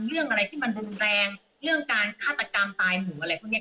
เรื่องอะไรที่มันรุนแรงเรื่องการฆาตกรรมตายหมูอะไรพวกนี้